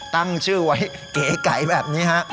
ตั้งชื่อไว้เก๋ไก่แบบนี้ฮะ